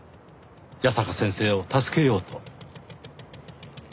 矢坂先生を助けようと。